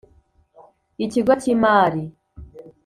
Ikigo cy imari